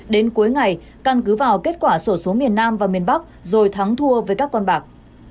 đến cuối ngày căn cứ vào kết quả sổ số miền nam và miền bắc rồi thắng thua với các con bạc